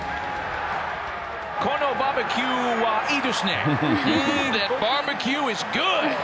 このバーベキューはいいですね。